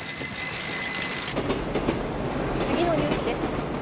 「次のニュースです」